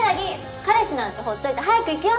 彼氏なんてほっといて早く行くよ。